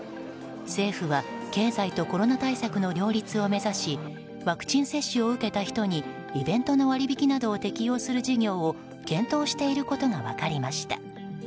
政府は経済とコロナ対策の両立を目指しワクチン接種を受けた人にイベントの割引などを適用する事業を検討していることが分かりました。